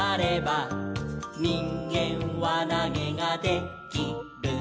「にんげんわなげがで・き・る」